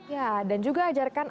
ya dan juga ajarkan